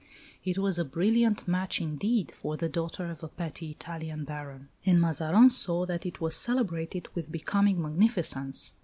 It was a brilliant match indeed for the daughter of a petty Italian baron; and Mazarin saw that it was celebrated with becoming magnificence.